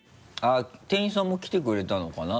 店員さんも来てくれたのかな？